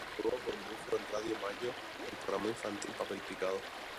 Luego condujo en Radio Mayo el programa infantil "Papel Picado".